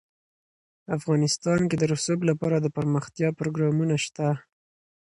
افغانستان کې د رسوب لپاره دپرمختیا پروګرامونه شته.